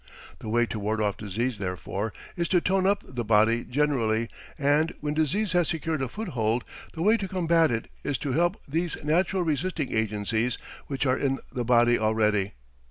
The way to ward off disease, therefore, is to tone up the body generally; and, when disease has secured a foothold, the way to combat it is to help these natural resisting agencies which are in the body already.